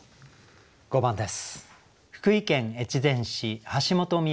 ５番です。